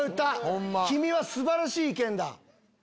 君は素晴らしい意見だ。